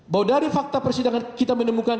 bahwa dari fakta persidangan kita menemukan